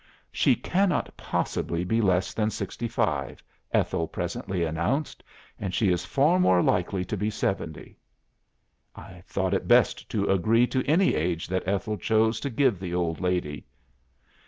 "'She cannot possibly be less than sixty five,' Ethel presently announced. 'And she is far more likely to be seventy.'" "I thought it best to agree to any age that Ethel chose to give the old lady."